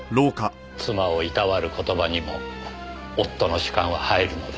妻を労わる言葉にも夫の主観は入るのですねえ。